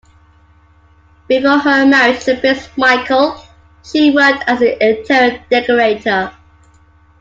Before her marriage to Prince Michael, she worked as an interior decorator.